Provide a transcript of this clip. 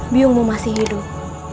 biungmu masih hidup